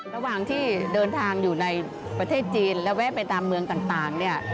ระหว่างที่เดินทางอยู่ในประเทศจีนและแวะไปตามเมืองต่างเนี่ย